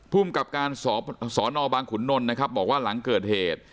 ภูมิกับการสอนอบางขุนนลนะครับบอกว่าหลังเกิดเหตุ